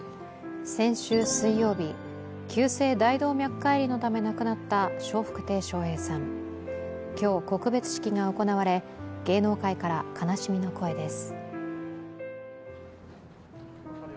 先週水曜日、急性大動脈解離のため亡くなった笑福亭笑瓶さん、今日、告別式が行われ芸能界から悲しみの声です。